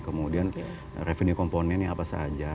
kemudian revenue komponennya apa saja